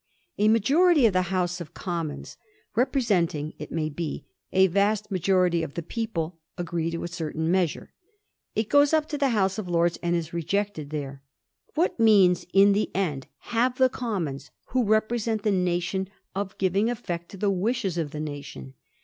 A majority of the House of Commons^ representing, it may be, a vast majority of the people, agree to a certain measure. It goes up to the House of Lords, and is rejected there. What means in the end have the Commons, who represent the nation, of giving effect to the wishes of the nation